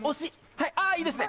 あいいですね！